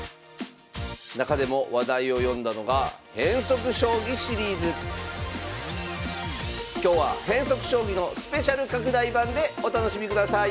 中でも話題を呼んだのが今日は変則将棋のスペシャル拡大版でお楽しみください！